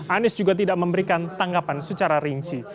anies juga tidak memberikan tanggapan secara rinci